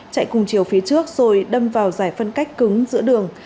chạy cùng chiều phía trước rồi đâm vào giải phân cách cứng giữa đường